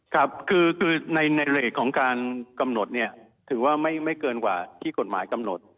ครับคือในเลสของการกำหนดเนี่ยถือว่าไม่เกินกว่าที่กฎหมายกำหนด